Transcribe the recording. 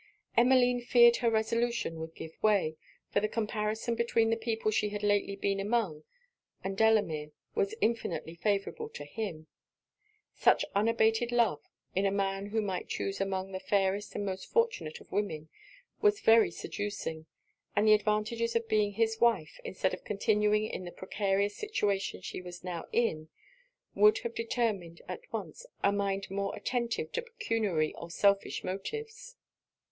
Emmeline feared her resolution would give way; for the comparison between the people she had lately been among, and Delamere, was infinitely favourable to him. Such unabated love, in a man who might chuse among the fairest and most fortunate of women, was very seducing; and the advantages of being his wife, instead of continuing in the precarious situation she was now in, would have determined at once a mind more attentive to pecuniary or selfish motives.